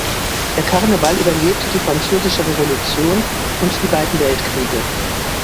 Der Karneval überlebte die Französische Revolution und die beiden Weltkriege.